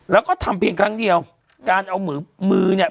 แล้วก็ทำเพียงครั้งเดียวการเอามือมือเนี่ย